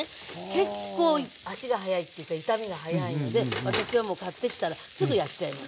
結構足が早いっていうか傷みが早いので私はもう買ってきたらすぐやっちゃいます。